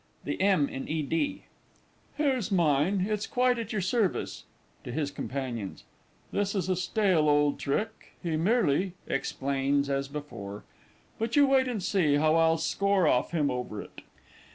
THE M. IN E. D. Here's mine it's quite at your service. [To his companions.] This is a stale old trick, he merely (explains as before). But you wait and see how I'll score off him over it!